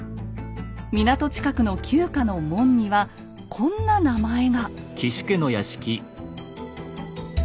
港近くの旧家の門にはこんな名前が。